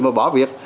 mà bỏ việc